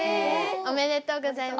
おめでとうございます。